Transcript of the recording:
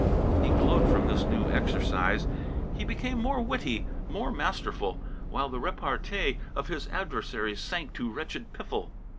He glowed from this new exercise. He became more witty, more masterful, while the repartee of his adversaries sank to wretched piffle.